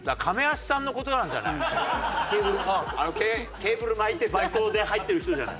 ケーブル巻いてバイトで入ってる人じゃない？